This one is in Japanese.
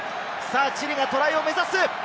チリがトライを目指す！